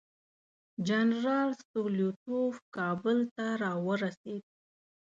جنرال ستولیتوف کابل ته راورسېد.